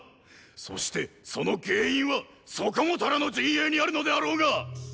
そしてその原因はそこもとらの陣営にあるのであろうがっ！